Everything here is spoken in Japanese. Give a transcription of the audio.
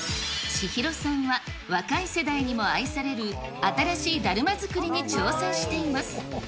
千尋さんは、若い世代にも愛される新しいだるま作りに挑戦しています。